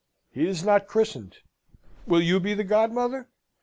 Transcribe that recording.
"He is not christened. Will you be the godmother?